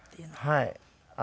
はい。